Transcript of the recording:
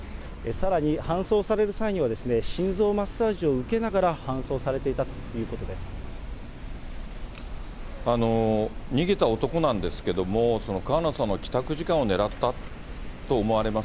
さらに、搬送される際には心臓マッサージを受けながら搬送されていたとい逃げた男なんですけれども、川野さんの帰宅時間を狙ったと思われます。